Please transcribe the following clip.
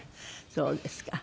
そうですか。